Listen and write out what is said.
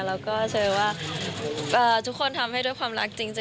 แล้วก็เชื่อว่าทุกคนทำให้ด้วยความรักจริง